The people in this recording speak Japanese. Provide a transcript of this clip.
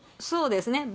そうですね。